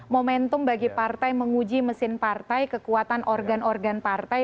momentum bagi partai menguji mesin partai kekuatan organ organ partai